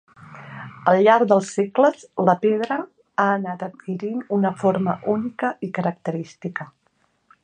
Al llarg dels segles, la pedra ha anat adquirint una forma única i característica.